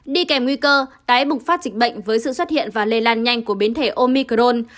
đi kèm nguy cơ tái bùng phát dịch bệnh với sự xuất hiện và lây lan nhanh của biến thể omicrone